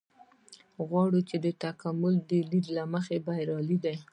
غواوې د تکاملي لید له مخې بریالۍ دي.